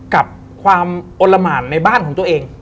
กับความโอนรมาลในบ้านของตัวเอง